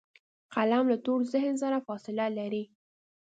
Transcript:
قلم له تور ذهن سره فاصله لري